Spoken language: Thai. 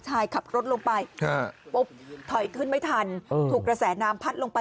ใช่ค่ะนี่ล่ะค่ะพอลูกชายขับรถลงไป